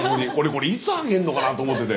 これいつ開けるのかなと思ってて。